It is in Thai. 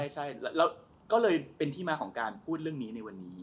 ใช่แล้วก็เลยเป็นที่มาของการพูดเรื่องนี้ในวันนี้